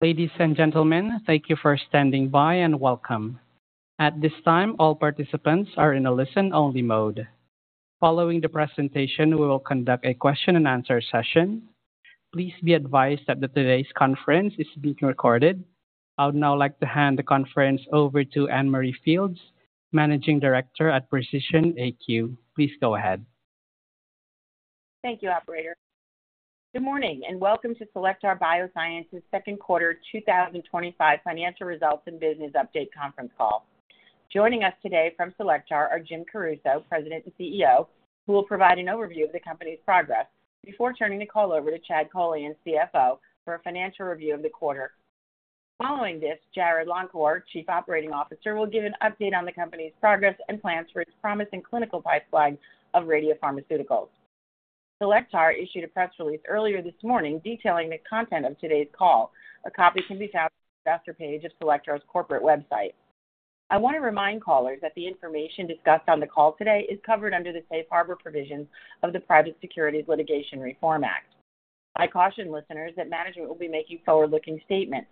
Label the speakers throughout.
Speaker 1: Ladies and gentlemen, thank you for standing by and welcome. At this time, all participants are in a listen-only mode. Following the presentation, we will conduct a question and answer session. Please be advised that today's conference is being recorded. I would now like to hand the conference over to Ann Marie Fields, Managing Director at Precision AQ. Please go ahead.
Speaker 2: Thank you, Operator. Good morning and welcome to Cellectar Biosciences' Second Quarter 2025 Financial Results and Business Update Conference Call. Joining us today from Cellectar are Jim Caruso, President and CEO, who will provide an overview of the company's progress before turning the call over to Chad Kolean, CFO, for a financial review of the quarter. Following this, Jarrod Longcor, Chief Operating Officer, will give an update on the company's progress and plans for its promising clinical pipeline of radiopharmaceuticals. Cellectar issued a press release earlier this morning detailing the content of today's call. A copy can be found on the investor page of Cellectar's corporate website. I want to remind callers that the information discussed on the call today is covered under the safe harbor provisions of the Private Securities Litigation Reform Act. I caution listeners that management will be making forward-looking statements.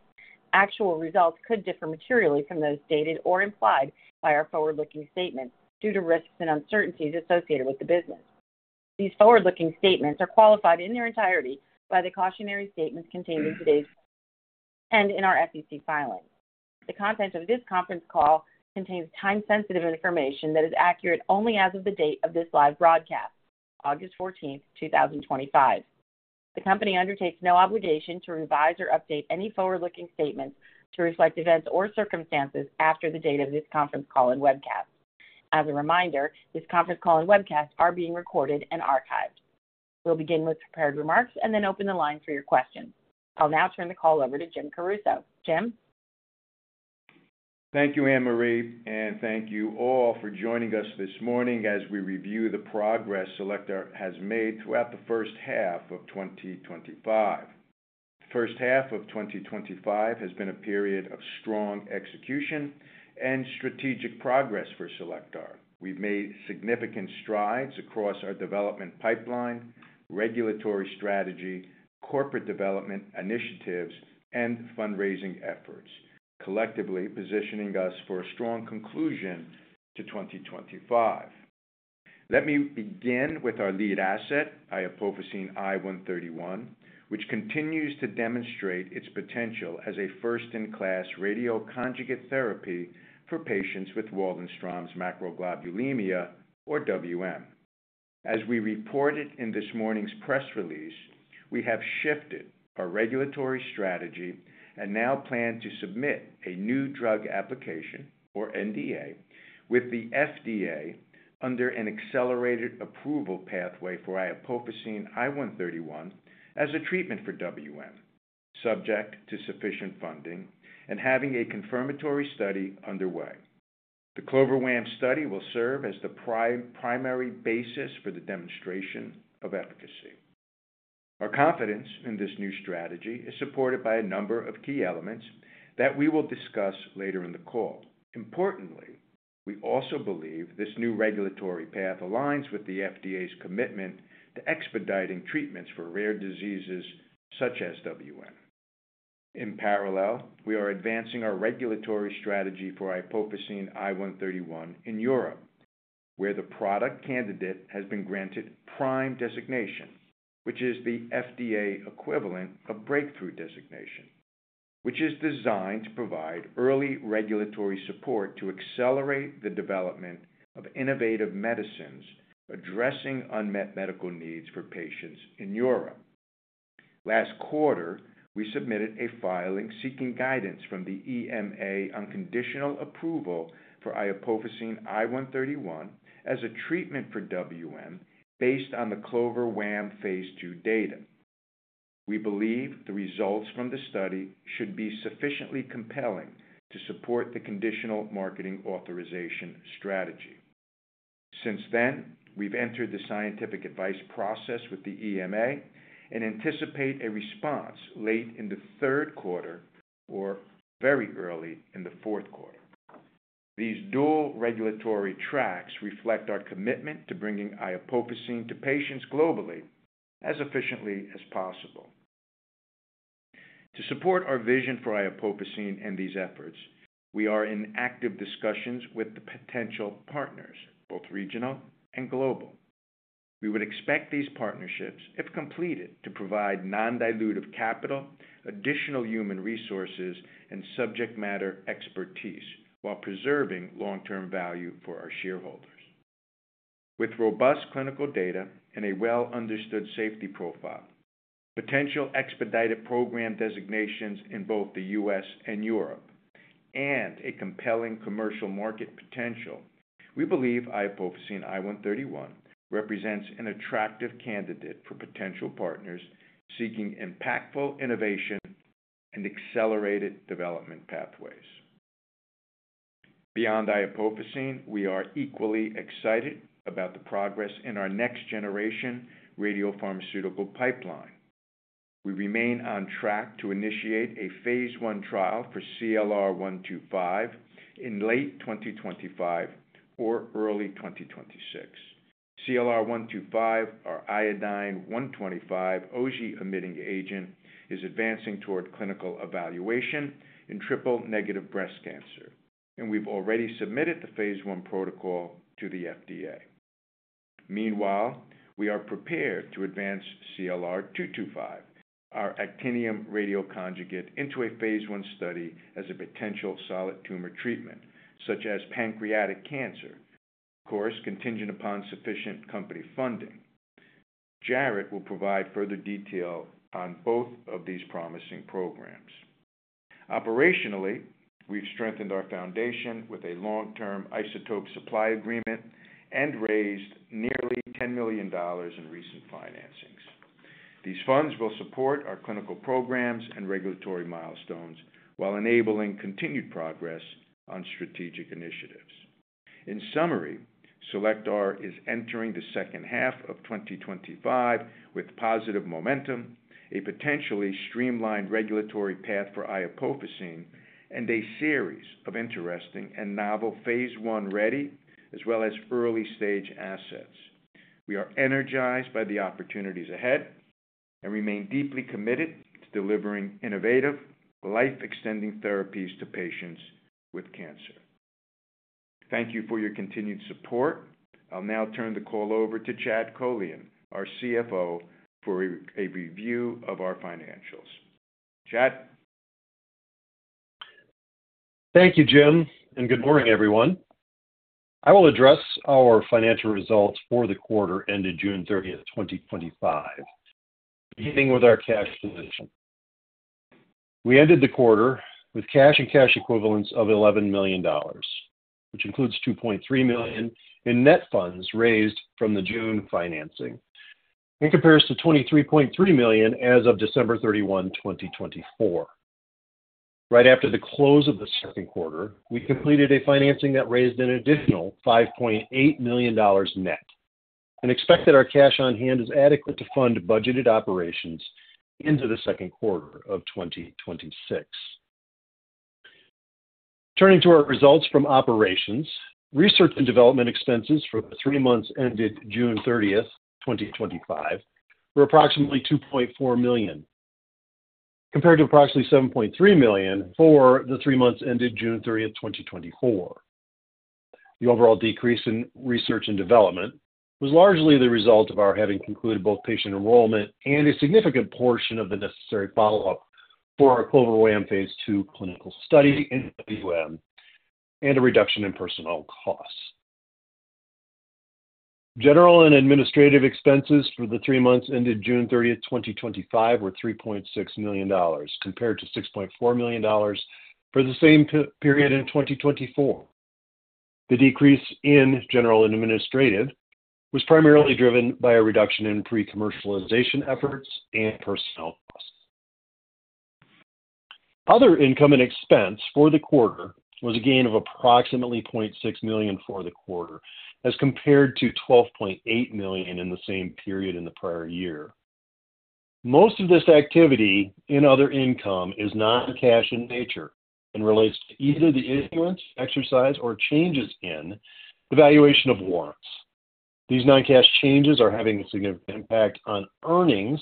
Speaker 2: Actual results could differ materially from those stated or implied by our forward-looking statements due to risks and uncertainties associated with the business. These forward-looking statements are qualified in their entirety by the cautionary statements contained in today's and in our SEC filing. The content of this conference call contains time-sensitive information that is accurate only as of the date of this live broadcast, August 14, 2025. The company undertakes no obligation to revise or update any forward-looking statements to reflect events or circumstances after the date of this conference call and webcast. As a reminder, this conference call and webcast are being recorded and archived. We'll begin with prepared remarks and then open the line for your questions. I'll now turn the call over to Jim Caruso. Jim?
Speaker 3: Thank you, Ann Marie, and thank you all for joining us this morning as we review the progress Cellectar has made throughout the first half of 2025. The first half of 2025 has been a period of strong execution and strategic progress for Cellectar. We've made significant strides across our development pipeline, regulatory strategy, corporate development initiatives, and fundraising efforts, collectively positioning us for a strong conclusion to 2025. Let me begin with our lead asset, iopofosine I-131, which continues to demonstrate its potential as a first-in-class radioconjugate therapy for patients with Waldenström's macroglobulinemia, or WM. As we reported in this morning's press release, we have shifted our regulatory strategy and now plan to submit a New Drug Application, or NDA, with the FDA under an accelerated approval pathway for iopofosine I-131 as a treatment for WM, subject to sufficient funding and having a confirmatory study underway. The CLOVER-WaM study will serve as the primary basis for the demonstration of efficacy. Our confidence in this new strategy is supported by a number of key elements that we will discuss later in the call. Importantly, we also believe this new regulatory path aligns with the FDA's commitment to expediting treatments for rare diseases such as WM. In parallel, we are advancing our regulatory strategy for iopofosine I-131 in Europe, where the product candidate has been granted PRIME designation, which is the FDA equivalent of breakthrough therapy designation, which is designed to provide early regulatory support to accelerate the development of innovative medicines addressing unmet medical needs for patients in Europe. Last quarter, we submitted a filing seeking guidance from the EMA on conditional approval for iopofosine I-131 as a treatment for WM based on the phase Ii-b data. We believe the results from the study should be sufficiently compelling to support the conditional marketing authorization strategy. Since then, we've entered the scientific advice process with the EMA and anticipate a response late in the third quarter or very early in the fourth quarter. These dual regulatory tracks reflect our commitment to bringing iopofosine to patients globally as efficiently as possible. To support our vision for iopofosine and these efforts, we are in active discussions with potential partners, both regional and global. We would expect these partnerships, if completed, to provide non-dilutive capital, additional human resources, and subject matter expertise while preserving long-term value for our shareholders. With robust clinical data and a well-understood safety profile, potential expedited program designations in both the U.S. and Europe, and a compelling commercial market potential, we believe iopofosine I-131 represents an attractive candidate for potential partners seeking impactful innovation and accelerated development pathways. Beyond iopofosine, we are equally excited about the progress in our next-generation radiopharmaceutical pipeline. We remain on track to initiate a phase I trial for CLR 125 in late 2025 or early 2026. CLR 125, our iodine-125 OG-emitting agent, is advancing toward clinical evaluation in triple-negative breast cancer, and we've already submitted the phase I protocol to the FDA. Meanwhile, we are prepared to advance CLR 225, our actinium-radioconjugate, into a phase I study as a potential solid tumor treatment, such as pancreatic cancer, of course, contingent upon sufficient company funding. Jarrod will provide further detail on both of these promising programs. Operationally, we've strengthened our foundation with a long-term isotope supply agreement and raised nearly $10 million in recent financings. These funds will support our clinical programs and regulatory milestones while enabling continued progress on strategic initiatives. In summary, Cellectar is entering the second half of 2025 with positive momentum, a potentially streamlined regulatory path for iopofosine, and a series of interesting and novel phase I ready as well as early-stage assets. We are energized by the opportunities ahead and remain deeply committed to delivering innovative, life-extending therapies to patients with cancer. Thank you for your continued support. I'll now turn the call over to Chad Kolean, our CFO, for a review of our financials. Chad?
Speaker 4: Thank you, Jim, and good morning, everyone. I will address our financial results for the quarter ended June 30, 2025, beginning with our cash position. We ended the quarter with cash and cash equivalents of $11 million, which includes $2.3 million in net funds raised from the June financing and compares to $23.3 million as of December 31, 2024. Right after the close of the second quarter, we completed a financing that raised an additional $5.8 million net and expect that our cash on hand is adequate to fund budgeted operations into the second quarter of 2026. Turning to our results from operations, research and development expenses for the three months ended June 30, 2025 were approximately $2.4 million, compared to approximately $7.3 million for the three months ended June 30, 2024. The overall decrease in research and development was largely the result of our having concluded both patient enrollment and a significant portion of the necessary follow-up for our CLOVER-WaM phase II clinical study in WM and a reduction in personnel costs. General and administrative expenses for the three months ended June 30, 2025 were $3.6 million, compared to $6.4 million for the same period in 2024. The decrease in general and administrative was primarily driven by a reduction in pre-commercialization efforts and personnel costs. Other income and expense for the quarter was a gain of approximately $0.6 million for the quarter, as compared to $12.8 million in the same period in the prior year. Most of this activity in other income is non-cash in nature and relates to either the issuance, exercise, or changes in the valuation of warrants. These non-cash changes are having a significant impact on earnings,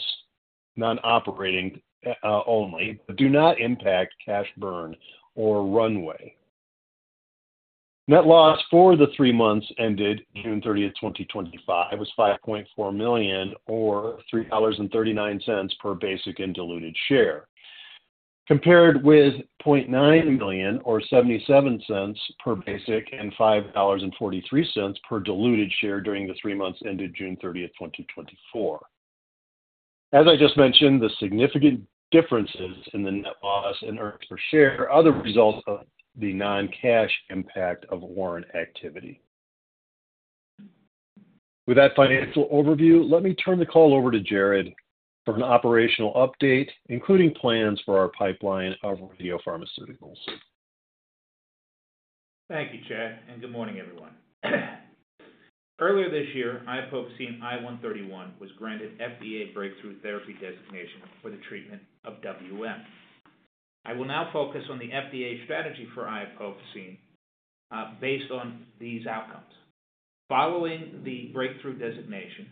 Speaker 4: non-operating only, but do not impact cash burn or runway. Net loss for the three months ended June 30, 2025 was $5.4 million or $3.39 per basic and diluted share, compared with $0.9 million or $0.77 per basic and $5.43 per diluted share during the three months ended June 30, 2024. As I just mentioned, the significant differences in the net loss and earned per share are other results of the non-cash impact of warrant activity. With that financial overview, let me turn the call over to Jarrod for an operational update, including plans for our pipeline of radiopharmaceuticals.
Speaker 5: Thank you, Chad, and good morning, everyone. Earlier this year, iopofosine I-131 was granted FDA breakthrough therapy designation for the treatment of WM. I will now focus on the FDA strategy for iopofosine based on these outcomes. Following the breakthrough designation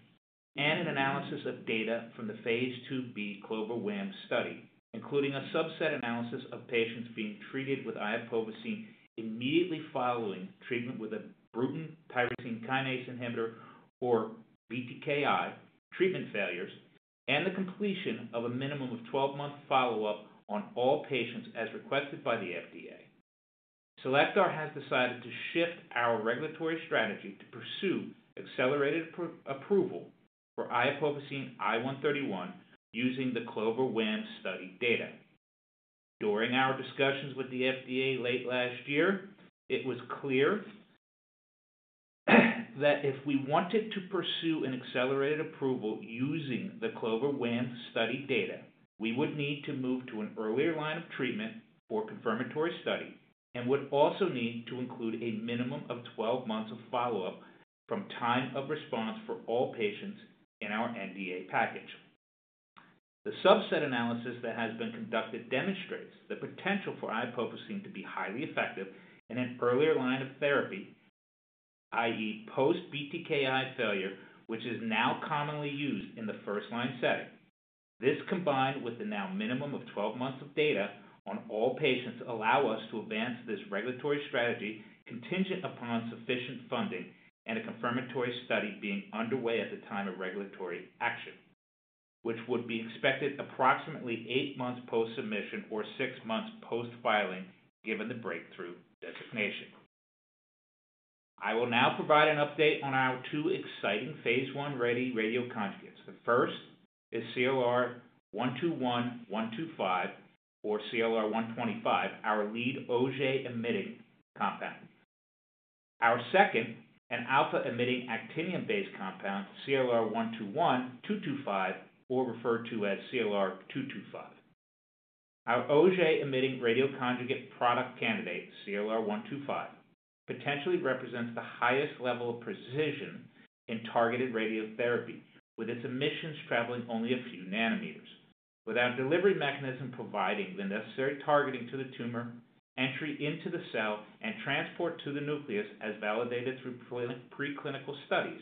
Speaker 5: and an analysis of data from phase II-b clover-wam study, including a subset analysis of patients being treated with iopofosine immediately following treatment with a Bruton tyrosine kinase inhibitor, or BTKI, treatment failures and the completion of a minimum of 12-month follow-up on all patients as requested by the FDA, Cellectar has decided to shift our regulatory strategy to pursue accelerated approval for iopofosine I-131 using the CLOVER-WaM study data. During our discussions with the FDA late last year, it was clear that if we wanted to pursue an accelerated approval using the CLOVER-WaM study data, we would need to move to an earlier line of treatment or confirmatory study and would also need to include a minimum of 12 months of follow-up from time of response for all patients in our NDA package. The subset analysis that has been conducted demonstrates the potential for iopofosine to be highly effective in an earlier line of therapy, i.e., post-BTKI failure, which is now commonly used in the first-line setting. This, combined with the now minimum of 12 months of data on all patients, allows us to advance this regulatory strategy contingent upon sufficient funding and a confirmatory study being underway at the time of regulatory action, which would be expected approximately eight months post-submission or six months post-filing, given the breakthrough designation. I will now provide an update on our two exciting phase I ready radioconjugates. The first is CLR 125, our lead OG-emitting compound. Our second, an alpha-emitting actinium-based compound, CLR 225. Our OG-emitting radioconjugate product candidate, CLR 125, potentially represents the highest level of precision in targeted radiotherapy, with its emissions traveling only a few nanometers. With our delivery mechanism providing the necessary targeting to the tumor, entry into the cell, and transport to the nucleus, as validated through preclinical studies,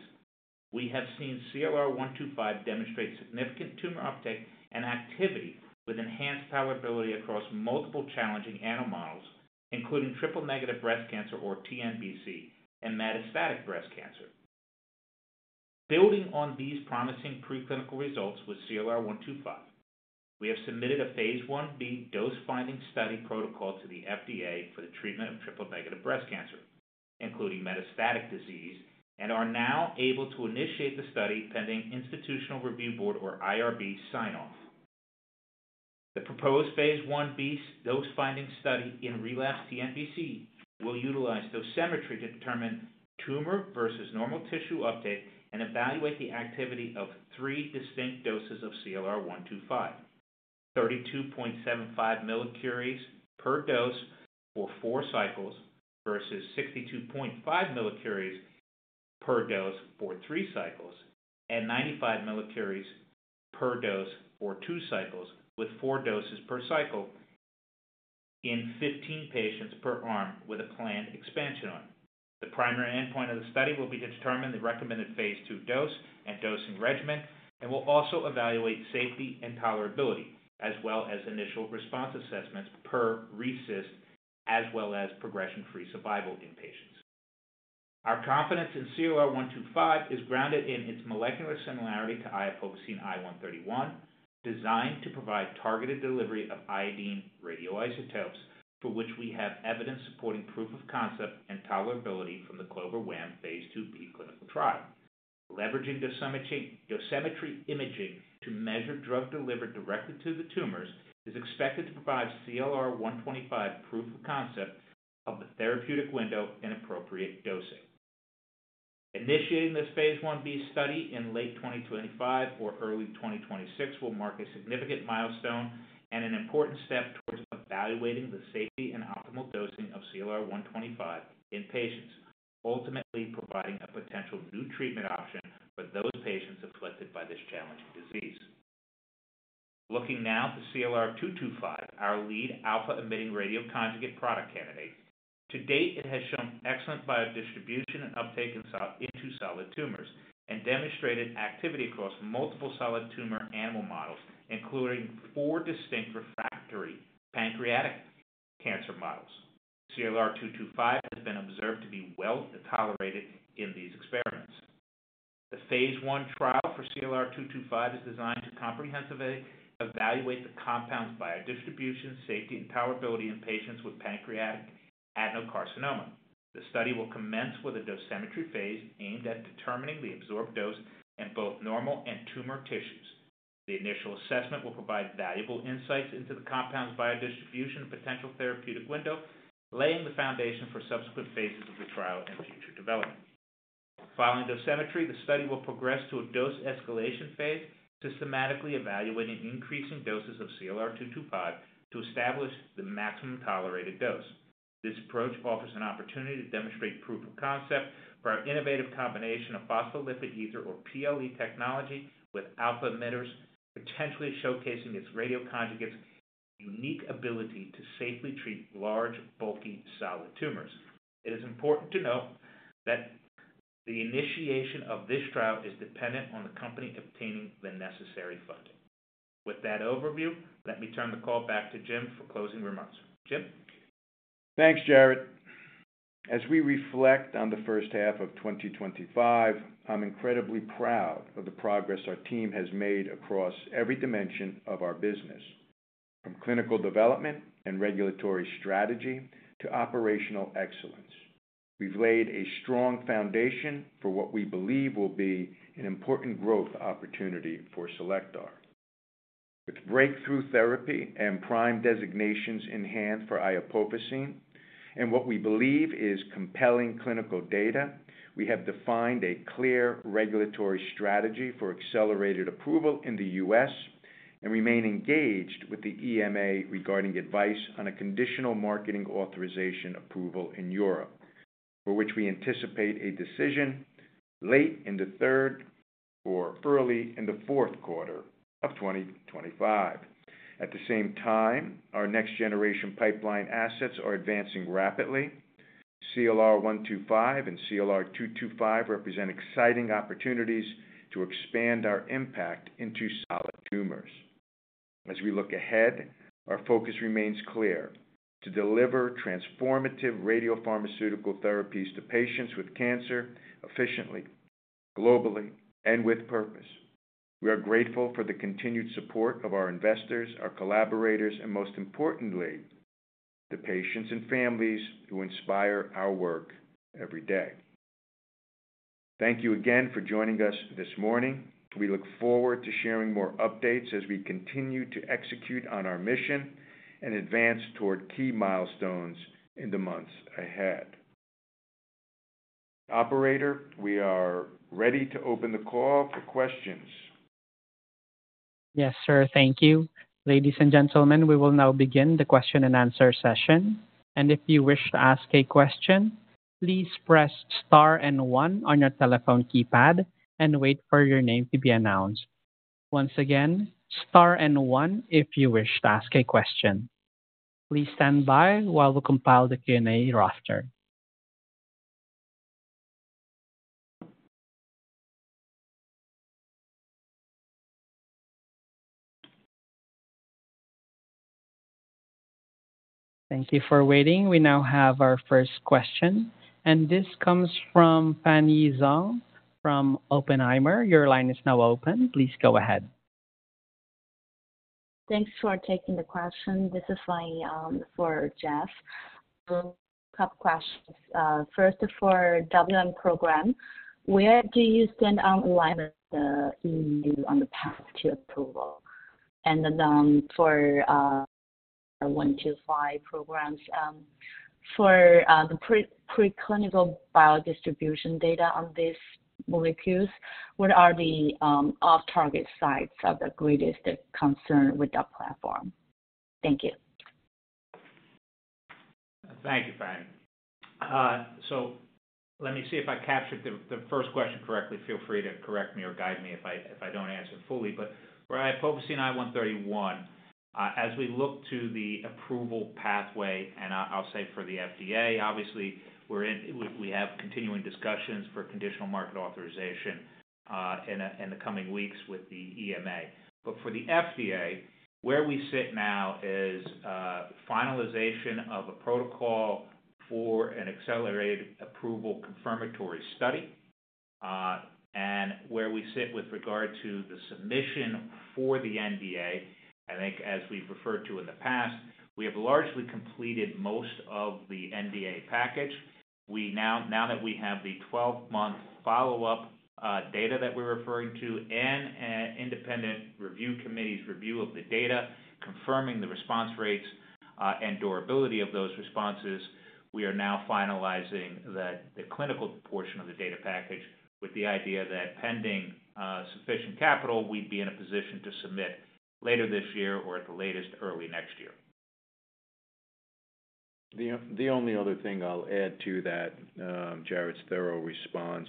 Speaker 5: we have seen CLR 125 demonstrate significant tumor uptake and activity with enhanced tolerability across multiple challenging animal models, including triple-negative breast cancer, or TNBC, and metastatic breast cancer. Building on these promising preclinical results with CLR 125, we have submitted a phase I-B dose-finding study protocol to the FDA for the treatment of triple-negative breast cancer, including metastatic disease, and are now able to initiate the study pending Institutional Review Board, or IRB, sign-off. The proposed phase I-B dose-finding study in relapsed TNBC will utilize dosimetry to determine tumor versus normal tissue uptake and evaluate the activity of three distinct doses of CLR 125: 32.75 millicuries per dose for four cycles versus 62.5 millicuries per dose for three cycles and 95 millicuries per dose for two cycles, with four doses per cycle in 15 patients per arm with a planned expansion arm. The primary endpoint of the study will be to determine the recommended phase II dose and dosing regimen, and we'll also evaluate safety and tolerability, as well as initial response assessments per RECIST, as well as progression-free survival in patients. Our confidence in CLR 125 is grounded in its molecular similarity to iopofosine I-131, designed to provide targeted delivery of iodine radioisotopes, for which we have evidence supporting proof of concept and tolerability from the phase II-b clinical trial. Leveraging dosimetry imaging to measure drug delivery directed to the tumors is expected to provide CLR 125 proof of concept of the therapeutic window and appropriate dosing. Initiating this phase I-B study in late 2025 or early 2026 will mark a significant milestone and an important step towards evaluating the safety and optimal dosing of CLR 125 in patients, ultimately providing a potential new treatment option for those patients afflicted by this challenging disease. Looking now to CLR 225, our lead alpha-emitting radioconjugate product candidate, to date it has shown excellent biodistribution and uptake in two solid tumors and demonstrated activity across multiple solid tumor animal models, including four distinct refractory pancreatic cancer models. CLR 225 has been observed to be well tolerated in these experiments. The phase I trial for CLR 225 is designed to comprehensively evaluate the compound's biodistribution, safety, and tolerability in patients with pancreatic adenocarcinoma. The study will commence with a dosimetry phase aimed at determining the absorbed dose in both normal and tumor tissues. The initial assessment will provide valuable insights into the compound's biodistribution and potential therapeutic window, laying the foundation for subsequent phases of the trial and future development. Following dosimetry, the study will progress to a dose escalation phase, systematically evaluating increasing doses of CLR 225 to establish the maximum tolerated dose. This approach offers an opportunity to demonstrate proof of concept for our innovative combination of phospholipid ether, or PLE, technology with alpha emitters, potentially showcasing its radioconjugate's unique ability to safely treat large, bulky solid tumors. It is important to note that the initiation of this trial is dependent on the company obtaining the necessary funding. With that overview, let me turn the call back to Jim for closing remarks. Jim?
Speaker 3: Thanks, Jarrod. As we reflect on the first half of 2025, I'm incredibly proud of the progress our team has made across every dimension of our business, from clinical development and regulatory strategy to operational excellence. We've laid a strong foundation for what we believe will be an important growth opportunity for Cellectar. With breakthrough therapy and PRIME designations in hand for iopofosine and what we believe is compelling clinical data, we have defined a clear regulatory strategy for accelerated approval in the U.S. and remain engaged with the EMA regarding advice on a conditional marketing authorization approval in Europe, for which we anticipate a decision late in the third or early in the fourth quarter of 2025. At the same time, our next-generation pipeline assets are advancing rapidly. CLR 125 and CLR 225 represent exciting opportunities to expand our impact into solid tumors. As we look ahead, our focus remains clear: to deliver transformative radiopharmaceutical therapies to patients with cancer efficiently, globally, and with purpose. We are grateful for the continued support of our investors, our collaborators, and most importantly, the patients and families who inspire our work every day. Thank you again for joining us this morning. We look forward to sharing more updates as we continue to execute on our mission and advance toward key milestones in the months ahead. Operator, we are ready to open the call for questions.
Speaker 1: Yes, sir. Thank you. Ladies and gentlemen, we will now begin the question and answer session. If you wish to ask a question, please press star and one on your telephone keypad and wait for your name to be announced. Once again, star and one if you wish to ask a question. Please stand by while we compile the Q&A roster. Thank you for waiting. We now have our first question. This comes from Fanyi Zhong from Oppenheimer. Your line is now open. Please go ahead.
Speaker 6: Thanks for taking the question. This is Fanyi on for Jeff. A couple of questions. First, for the WM program, where do you stand on alignment with the EU on the path to approval? For the 125 programs, for the preclinical biodistribution data on these molecules, what are the off-target sites of the greatest concern with that platform? Thank you.
Speaker 5: Thank you, Fanyi. Let me see if I captured the first question correctly. Feel free to correct me or guide me if I don't answer fully. For iopofosine I-131, as we look to the approval pathway, and I'll say for the FDA, obviously, we have continuing discussions for conditional marketing authorization in the coming weeks with the EMA. For the FDA, where we sit now is finalization of a protocol for an accelerated approval confirmatory study. Where we sit with regard to the submission for the NDA, I think, as we've referred to in the past, we have largely completed most of the NDA package. Now that we have the 12-month follow-up data that we're referring to and independent review committees' review of the data, confirming the response rates and durability of those responses, we are now finalizing the clinical portion of the data package with the idea that pending sufficient capital, we'd be in a position to submit later this year or at the latest, early next year.
Speaker 3: The only other thing I'll add to that, Jarrod's thorough response,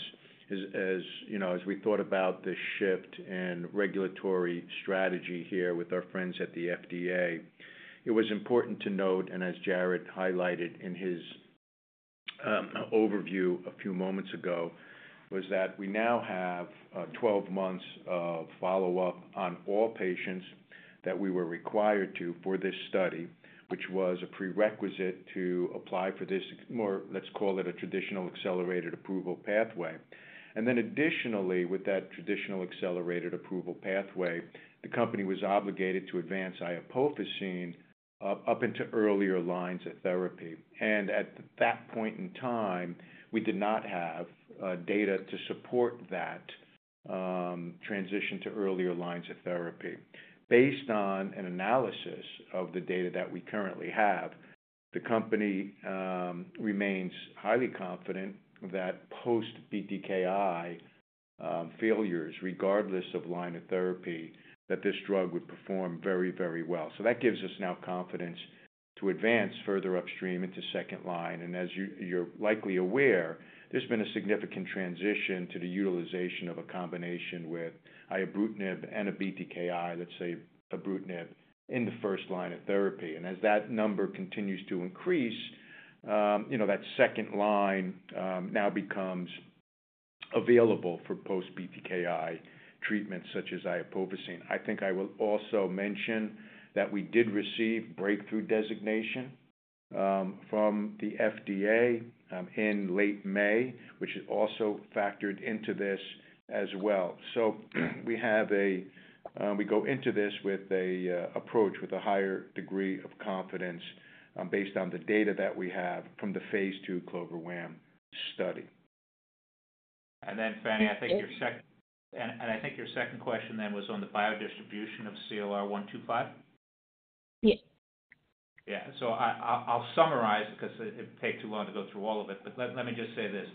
Speaker 3: is as you know, as we thought about this shift in regulatory strategy here with our friends at the FDA, it was important to note, and as Jarrod highlighted in his overview a few moments ago, that we now have 12 months of follow-up on all patients that we were required to for this study, which was a prerequisite to apply for this more, let's call it a traditional accelerated approval pathway. Additionally, with that traditional accelerated approval pathway, the company was obligated to advance iopofosine up into earlier lines of therapy. At that point in time, we did not have data to support that transition to earlier lines of therapy. Based on an analysis of the data that we currently have, the company remains highly confident that post-BTKI failures, regardless of line of therapy, this drug would perform very, very well. That gives us now confidence to advance further upstream into second line. As you're likely aware, there's been a significant transition to the utilization of a combination with ibrutinib and a BTKI, let's say ibrutinib, in the first line of therapy. As that number continues to increase, that second line now becomes available for post-BTKI treatments such as iopofosine. I think I will also mention that we did receive breakthrough therapy designation from the FDA in late May, which is also factored into this as well. We go into this with an approach with a higher degree of confidence based on the data that we have from phase II CLOVER-WaM study.
Speaker 5: Fanyi, I think your second question was on the biodistribution of CLR 125?
Speaker 6: Yes.
Speaker 5: Yeah. I'll summarize because it'd take too long to go through all of it. Let me just say this.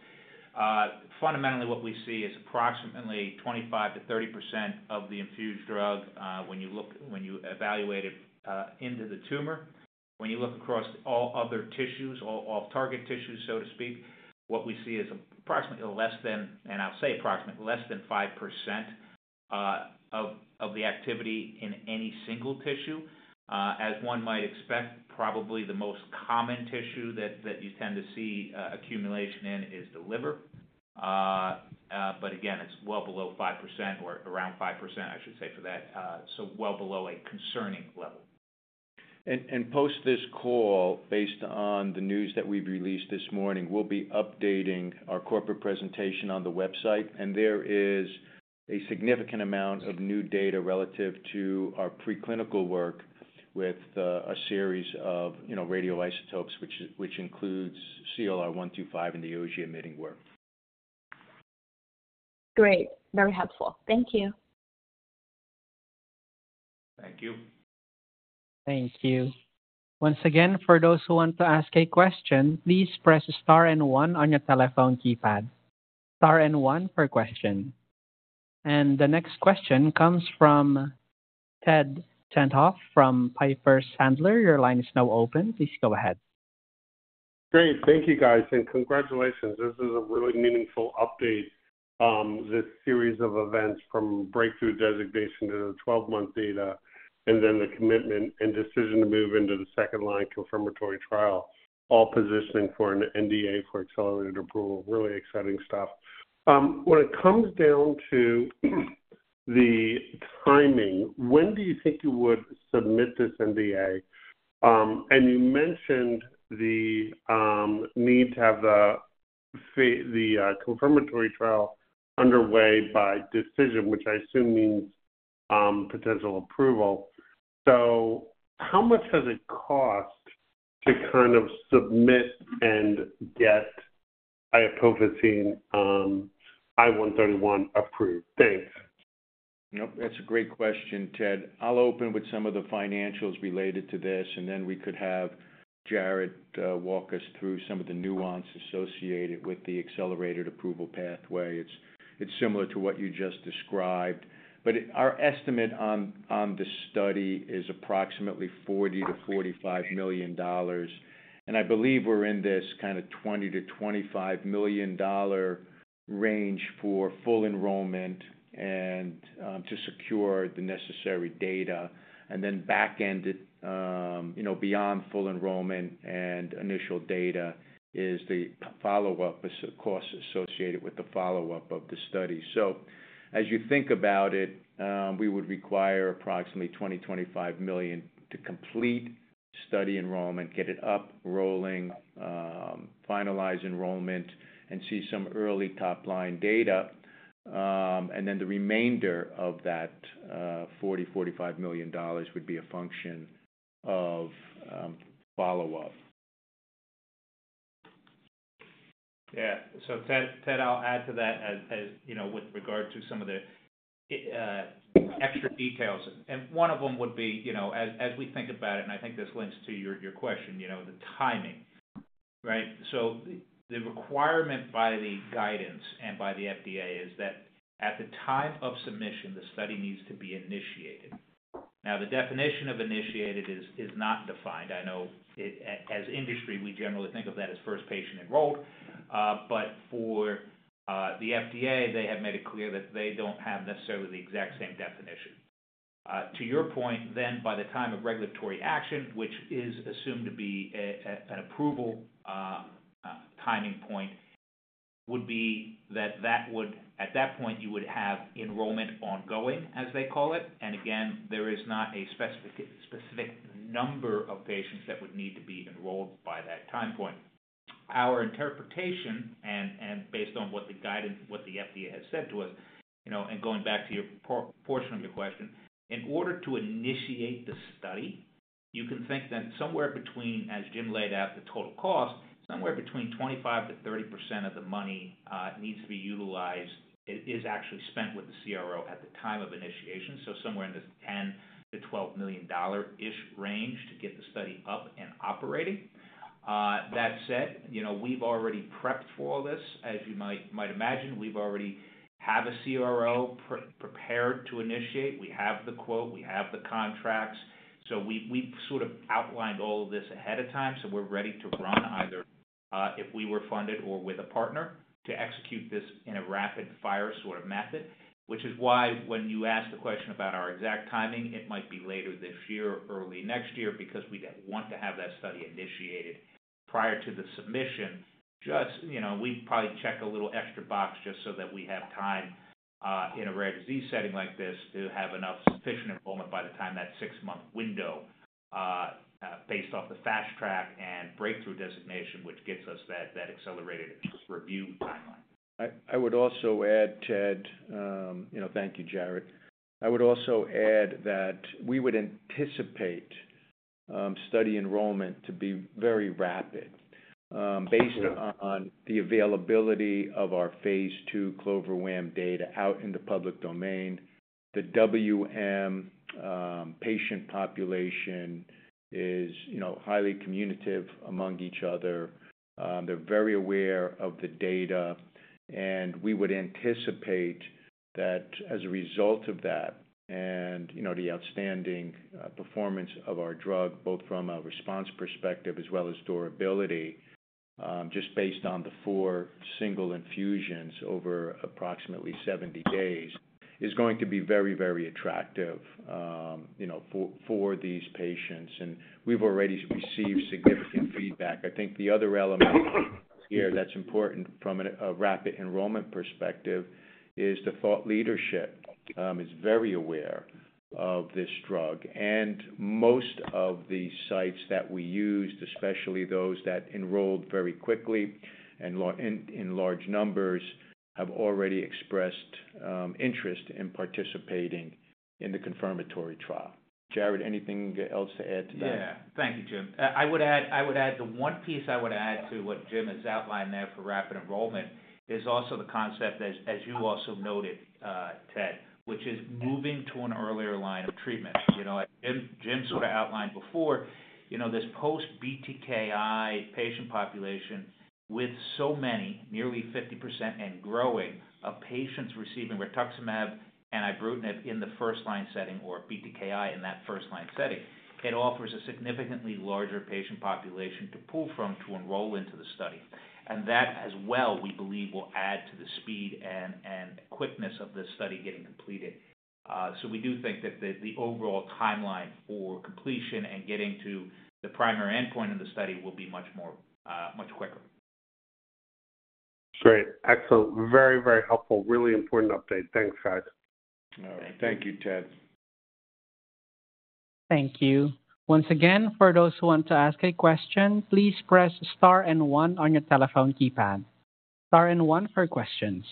Speaker 5: Fundamentally, what we see is approximately 25%-30% of the infused drug when you look, when you evaluate it into the tumor. When you look across all other tissues, all off-target tissues, so to speak, what we see is approximately less than, and I'll say approximately less than 5% of the activity in any single tissue. As one might expect, probably the most common tissue that you tend to see accumulation in is the liver. Again, it's well below 5% or around 5%, I should say, for that. It's well below a concerning level.
Speaker 3: Following this call, based on the news that we've released this morning, we'll be updating our corporate presentation on the website. There is a significant amount of new data relative to our preclinical work with a series of radioisotopes, which includes CLR 125 and the OG-emitting work.
Speaker 6: Great. Very helpful. Thank you.
Speaker 3: Thank you.
Speaker 1: Thank you. Once again, for those who want to ask a question, please press star and one on your telephone keypad. Star and one for question. The next question comes from Ed Tenthoff from Piper Sandler. Your line is now open. Please go ahead.
Speaker 7: Great. Thank you, guys, and congratulations. This is a really meaningful update. This series of events from breakthrough therapy designation to the 12-month data and then the commitment and decision to move into the second-line confirmatory trial, all positioning for an NDA for accelerated approval. Really exciting stuff. When it comes down to the timing, when do you think you would submit this NDA? You mentioned the need to have the confirmatory trial underway by decision, which I assume means potential approval. How much does it cost to kind of submit and get iopofosine I-131 approved? Thanks.
Speaker 3: Yep. That's a great question, Ted. I'll open with some of the financials related to this, and then we could have Jarrod walk us through some of the nuance associated with the accelerated approval pathway. It's similar to what you just described. Our estimate on this study is approximately $40 million-$45 million. I believe we're in this kind of $20 million-$25 million range for full enrollment and to secure the necessary data. Back-ended, beyond full enrollment and initial data is the follow-up cost associated with the follow-up of the study. As you think about it, we would require approximately $20 million-$25 million to complete study enrollment, get it up rolling, finalize enrollment, and see some early top-line data. The remainder of that $40 million-$45 million would be a function of follow-up.
Speaker 5: Yeah. Ted, I'll add to that with regard to some of the extra details. One of them would be, as we think about it, and I think this links to your question, the timing, right? The requirement by the guidance and by the FDA is that at the time of submission, the study needs to be initiated. Now, the definition of initiated is not defined. I know as industry, we generally think of that as first patient enrolled. For the FDA, they have made it clear that they don't have necessarily the exact same definition. To your point, by the time of regulatory action, which is assumed to be an approval timing point, at that point, you would have enrollment ongoing, as they call it. There is not a specific number of patients that would need to be enrolled by that time point. Our interpretation, and based on what the guidance, what the FDA has said to us, going back to your portion of your question, in order to initiate the study, you can think that somewhere between, as Jim laid out, the total cost, somewhere between 25%-30% of the money needs to be utilized, is actually spent with the CRO at the time of initiation. Somewhere in this $10 million-$12 million-ish range to get the study up and operating. That said, we've already prepped for all this. As you might imagine, we've already had a CRO prepared to initiate. We have the quote. We have the contracts. We've outlined all of this ahead of time. We're ready to run either if we were funded or with a partner to execute this in a rapid-fire sort of method, which is why when you asked the question about our exact timing, it might be later this year, early next year, because we want to have that study initiated prior to the submission. We'd probably check a little extra box just so that we have time in a rare disease setting like this to have enough sufficient enrollment by the time that six-month window, based off the fast track and breakthrough designation, which gets us that accelerated review timeline.
Speaker 3: I would also add, Ted, thank you, Jarrod. I would also add that we would anticipate study enrollment to be very rapid based on the availability of phase II CLOVER-WaM data out in the public domain. The WM patient population is highly communicative among each other. They're very aware of the data. We would anticipate that as a result of that and the outstanding performance of our drug, both from a response perspective as well as durability, just based on the four single infusions over approximately 70 days, it is going to be very, very attractive for these patients. We've already received significant feedback. I think the other element here that's important from a rapid enrollment perspective is the thought leadership is very aware of this drug. Most of the sites that we used, especially those that enrolled very quickly and in large numbers, have already expressed interest in participating in the confirmatory trial. Jarrod, anything else to add to that?
Speaker 5: Thank you, Jim. I would add the one piece I would add to what Jim has outlined there for rapid enrollment is also the concept, as you also noted, Ted, which is moving to an earlier line of treatments. Jim sort of outlined before, this post-BTKI patient population with so many, nearly 50%, and growing, of patients receiving rituximab and ibrutinib in the first-line setting or BTKI in that first-line setting, it offers a significantly larger patient population to pull from to enroll into the study. That as well, we believe, will add to the speed and quickness of this study getting completed. We do think that the overall timeline for completion and getting to the primary endpoint in the study will be much quicker.
Speaker 7: Great. Excellent. Very, very helpful. Really important update. Thanks, guys.
Speaker 3: All right. Thank you, Ted.
Speaker 1: Thank you. Once again, for those who want to ask a question, please press star and one on your telephone keypad. Star and one for questions.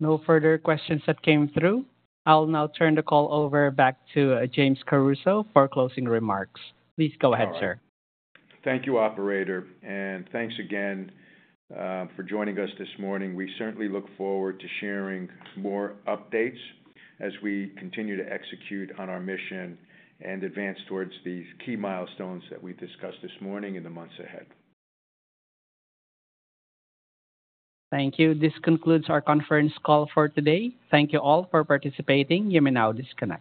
Speaker 1: No further questions that came through. I'll now turn the call over back to James Caruso for closing remarks. Please go ahead, sir.
Speaker 3: Thank you, Operator. Thank you again for joining us this morning. We certainly look forward to sharing more updates as we continue to execute on our mission and advance towards these key milestones that we discussed this morning and the months ahead.
Speaker 1: Thank you. This concludes our conference call for today. Thank you all for participating. You may now disconnect.